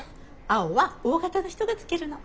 青はＯ型の人が着けるの。